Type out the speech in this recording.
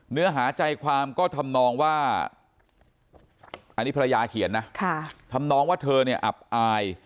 เนื้อหาใจความก็ทำนองว่าอันนี้ภรรยาเขียนนะทำนองว่าเธอเนี่ยอับอาย